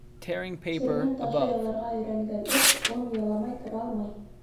Тирмән ташы яларға өйрәнгән эт он яламай тора алмай.